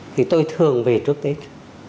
thì tôi thường về trước tết